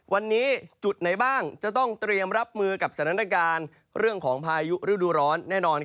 วันนี้จุดไหนบ้างจะต้องเตรียมรับมือกับสถานการณ์เรื่องของพายุฤดูร้อนแน่นอน